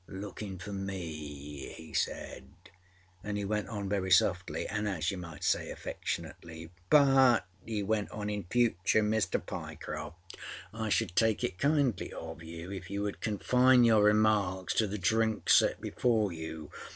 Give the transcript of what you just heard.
lookinâ for me,â he said, anâ he went on very softly anâ as you might say affectionately. â_But_, he went on, âin future, Mr. Pyecroft, I should take it kindly of you if youâd confine your remarks to the drinks set before you.